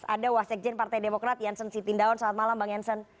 ada wasekjen partai demokrat janssen siti ndaon selamat malam bang janssen